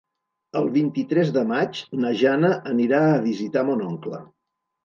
El vint-i-tres de maig na Jana anirà a visitar mon oncle.